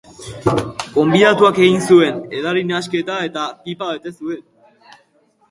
Gonbidatuak egin zuen edari-nahasketa eta pipa bete zuen.